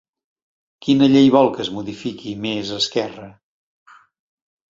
Quina llei vol que es modifiqui Més Esquerra?